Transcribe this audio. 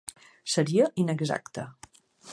Seria inexacte.